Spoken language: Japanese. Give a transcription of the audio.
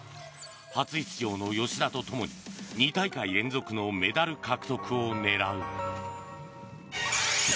初出場の吉田とともに２大会連続のメダル獲得を狙う。